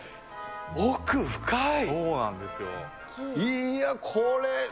奥、深い。